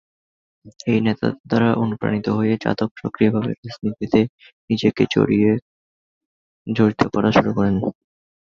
এই নেতাদের দ্বারা অনুপ্রাণিত হয়ে, যাদব সক্রিয়ভাবে রাজনীতিতে নিজেকে জড়িত করা শুরু করেন।